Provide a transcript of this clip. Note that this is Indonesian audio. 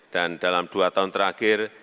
dan dalam dua tahun terakhir